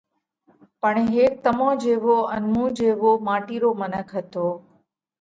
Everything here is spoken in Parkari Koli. پڻ ھيڪ تمون جيوو ان مُون جيوو ماٽِي رو منک ھتو۔